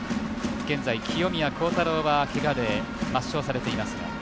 現在、清宮幸太郎は、けがで抹消されています。